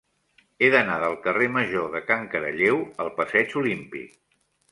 He d'anar del carrer Major de Can Caralleu al passeig Olímpic.